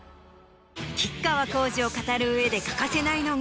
吉川晃司を語る上で欠かせないのが。